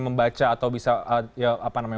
membaca atau bisa ya apa namanya